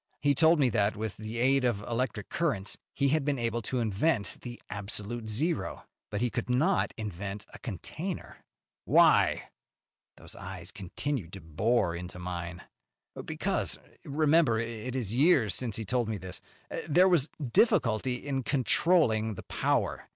He told me that, with the aid of electric currents he had been able to invent the absolute zero, but he could not invent a container." "Why?" Those eyes continued to bore into mine. "Because remember it is years since he told me this there was difficulty in controlling the power.